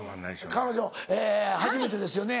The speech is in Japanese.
彼女初めてですよね。